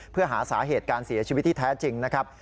เพื่อหาสาเหตุการเสียชีวิตที่แท้จริงนะครับ